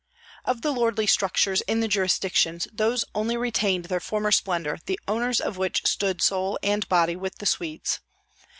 Of the lordly structures in the jurisdictions those only retained their former splendor the owners of which stood soul and body with the Swedes.